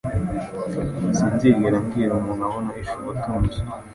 Sinzigera mbwira umuntu aho nahishe ubutunzi.